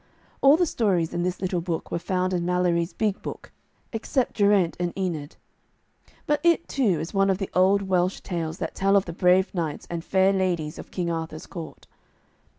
All the stories in this little book were found in Malory's big book, except 'Geraint and Enid.' But it, too, is one of the old Welsh tales that tell of the brave knights and fair ladies of King Arthur's court.